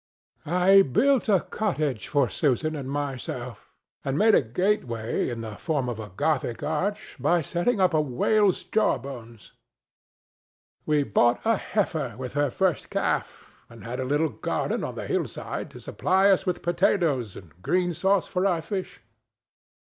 I built a cottage for Susan and myself, and made a gateway in the form of a Gothic arch by setting up a whale's jaw bones. We bought a heifer with her first calf, and had a little garden on the hillside to supply us with potatoes and green sauce for our fish.